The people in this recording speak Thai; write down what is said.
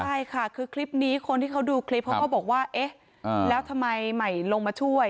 ใช่ค่ะคือคลิปนี้คนที่เขาดูคลิปเขาก็บอกว่าเอ๊ะแล้วทำไมใหม่ลงมาช่วย